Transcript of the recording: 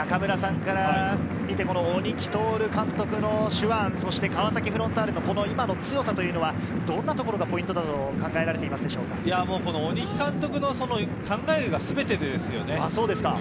中村さんから見て、この鬼木達監督の手腕、そして川崎フロンターレの、この今の強さというのは、どんなところがポイントだと考えられていますでしょうか。